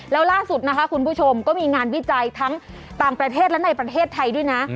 แล้วล่าสุดนะคะคุณผู้ชมก็มีงานวิจัยทั้งต่างประเทศและในประเทศไทยด้วยนะ